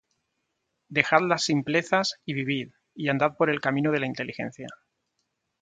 Dejad las simplezas, y vivid; Y andad por el camino de la inteligencia.